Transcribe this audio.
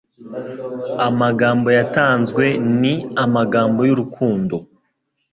amagambo yatanzwe ni amagambo y'urukundo